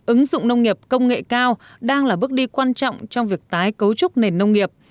ứng dụng nông nghiệp công nghệ cao đang là bước đi quan trọng trong việc tái cấu trúc nền nông nghiệp